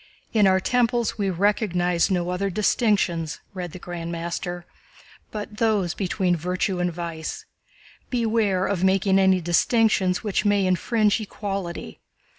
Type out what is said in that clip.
"In our temples we recognize no other distinctions," read the Grand Master, "but those between virtue and vice. Beware of making any distinctions which may infringe equality.